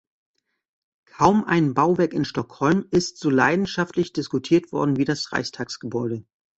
Kaum ein Bauwerk in Stockholm ist so leidenschaftlich diskutiert worden wie das Reichstagsgebäude.